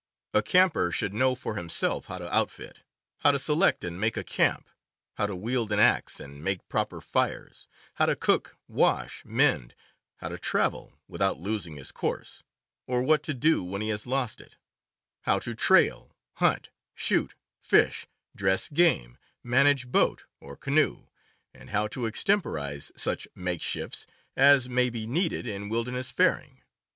A camper should know for himself how to outfit, how to select and make a camp, how to wield an axe and make proper fires, how to cook, wash, mend, how to travel without losing his course, or what to do when he has lost it; how to trail, hunt, shoot, fish, dress game, manage boat or canoe, and how to extemporize such makeshifts as may be needed in wilderness faring.